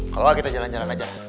kalau kita jalan jalan aja